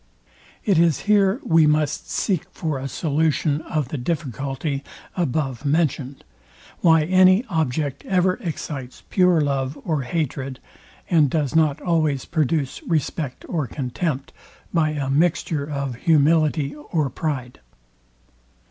It is here we must seek for a solution of the difficulty above mentioned, why any object ever excites pure love or hatred, and does not always produce respect or contempt, by a mixture of humility or pride.